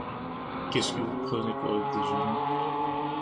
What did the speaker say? Qu’est-ce que vous prenez pour le déjeuner ?